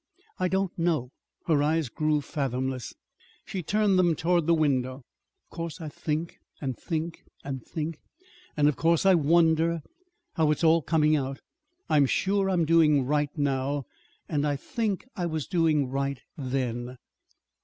"I don't know." Her eyes grew fathomless. She turned them toward the window. "Of course I think and think and think. And of course I wonder how it's all coming out. I'm sure I'm doing right now, and I think I was doing right then."